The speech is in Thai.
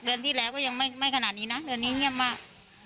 เดือนที่แล้วก็ยังไม่ขนาดนี้นะเดือนนี้เงียบมาก